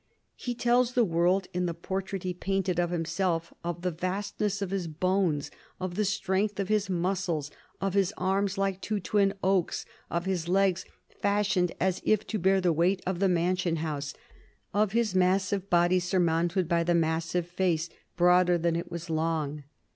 He tells the world in the portrait he painted of himself of the vastness of his bones, of the strength of his muscles, of his arms like two twin oaks, of his legs fashioned as if to bear the weight of the Mansion House, of his massive body surmounted by the massive face, broader than it was long.